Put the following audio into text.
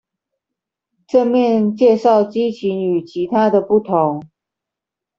正面介紹激情與其他的不同